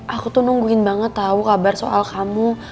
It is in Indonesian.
aku tuh nungguin banget tahu kabar soal kamu